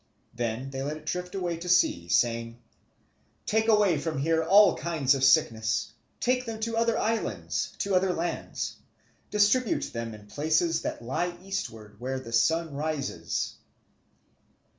Then they let it drift away to sea, saying, "Take away from here all kinds of sickness, take them to other islands, to other lands, distribute them in places that lie eastward, where the sun rises."